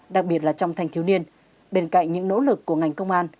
đặc biệt là trong thanh thiếu niên bên cạnh những nỗ lực của ngành công an